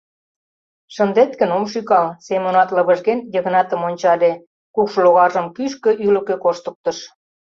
— Шындет гын — ом шӱкал, — Семонат, лывыжген, Йыгнатым ончале, кукшылогаржым кӱшкӧ-ӱлыкӧ коштыктыш.